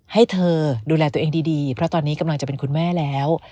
ให้เธอดูแลตัวเองดีเพราะตอนนี้กำลังจะเป็นคุณแม่แล้ว